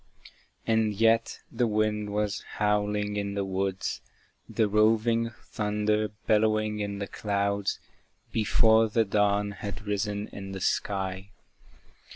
And yet the wind was howling in the woods, The roving thunder bellowing in the clouds, Before the dawn had risen in the sky.